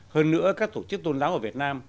hơn nữa các tổ chức tôn giáo ở việt nam